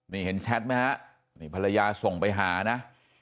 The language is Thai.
นี่เห็นแชทไหมฮะนี่ภรรยาส่งไปหานะ